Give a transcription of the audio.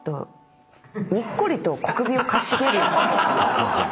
すいません。